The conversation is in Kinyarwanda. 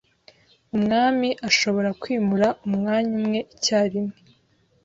umwami ashobora kwimura umwanya umwe icyarimwe